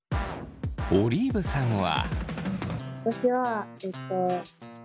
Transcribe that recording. オリーブさんは。